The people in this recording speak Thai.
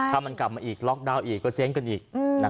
ถ้ามันกลับมาอีกล็อกดาวน์อีกก็เจ๊งกันอีก